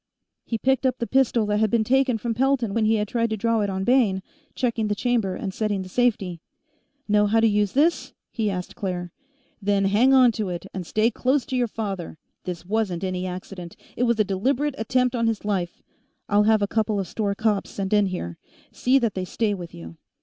He picked up the pistol that had been taken from Pelton when he had tried to draw it on Bayne, checking the chamber and setting the safety. "Know how to use this?" he asked Claire. "Then hang onto it, and stay close to your father. This wasn't any accident, it was a deliberate attempt on his life. I'll have a couple of store cops sent in here; see that they stay with you."